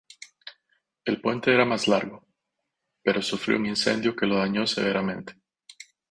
El puente era más largo, pero sufrió un incendio que lo dañó severamente.